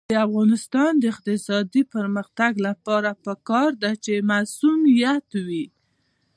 د افغانستان د اقتصادي پرمختګ لپاره پکار ده چې مصونیت وي.